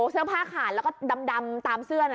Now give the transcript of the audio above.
เสื้อผ้าขาดแล้วก็ดำตามเสื้อนะ